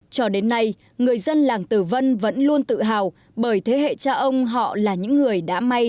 cho đến nay người dân làng tử vân vẫn luôn tự hào bởi thế hệ cha ông họ là những người đã may